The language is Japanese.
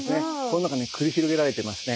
この中で繰り広げられてますね。